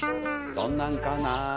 どんなんかなあ？